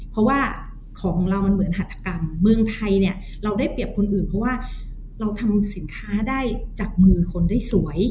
เพราะว่าของของเรามันเหมือนหัตถกรรมเมืองไทยเนี่ยเราได้เปรียบคนอื่นเพราะว่าเราทำสินค้าได้จากมือคนได้สวย